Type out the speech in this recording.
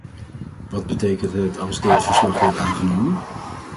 Wat betekent het als dit verslag wordt aangenomen?